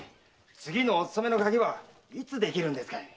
次のお勤めの鍵はいつできるんですかい？